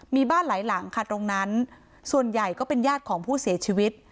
มีบ้านหลายหลังค่ะตรงนั้นส่วนใหญ่ก็เป็นญาติของผู้เสียชีวิต